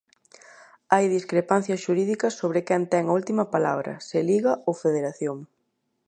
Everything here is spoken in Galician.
Hai discrepancias xurídicas sobre quen ten a última palabra, se Liga ou Federación.